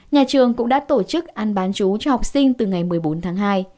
nhà trường cũng đã tổ chức ăn bán chú cho học sinh từ ngày một mươi bốn tháng hai